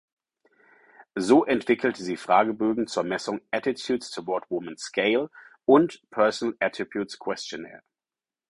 So entwickelte sie Fragebögen zur Messung ("Attitudes toward Women Scale" und "Personal Attributes Questionnaire)".